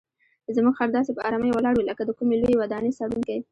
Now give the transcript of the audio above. زموږ خر داسې په آرامۍ ولاړ وي لکه د کومې لویې ودانۍ څارونکی.